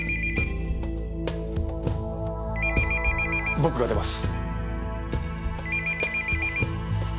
僕が出ます。